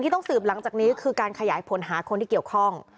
ต้องสืบหลังจากนี้คือการขยายผลหาคนที่เกี่ยวข้อง